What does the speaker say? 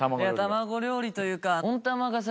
卵料理というか。